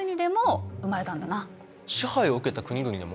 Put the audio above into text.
支配を受けた国々でも？